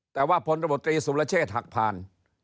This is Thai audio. แต่ว่าพลตบตรีสุรเชษฐ์หักผ่าน